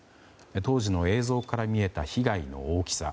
当時の映像から見えた被害の大きさ。